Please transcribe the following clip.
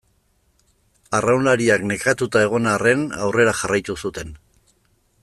Arraunlariak nekatuta egon arren aurrera jarraitu zuten.